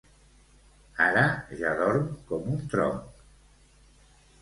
Ara ja dorm com un tronc.